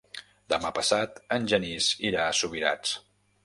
Demà passat en Genís irà a Subirats.